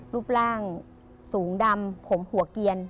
รูปร่างสูงดำผมหัวเกียร